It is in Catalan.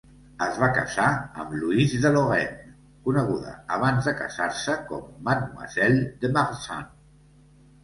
Es va casar amb Louise de Lorraine, coneguda abans de casar-se com "Mademoiselle de Marsan".